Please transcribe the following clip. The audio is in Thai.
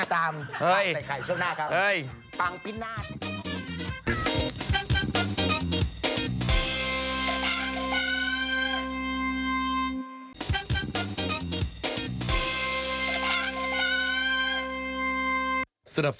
ติดตามปังใส่ไข่ช่วงหน้าครับ